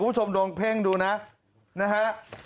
คุณผู้ชมลองเพ่งดูนะนะฮะ